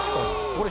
これ。